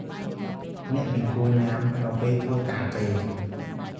អ្នកមិនគួរញ៉ាំនៅពេលធ្វើការទេ ។